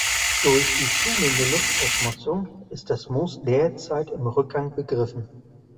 Durch die zunehmende Luftverschmutzung ist das Moos derzeit im Rückgang begriffen.